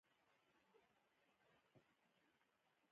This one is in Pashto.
موټر بار وړل هم کوي.